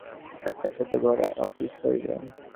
একটা ছোট ঘর অফিস হইবে।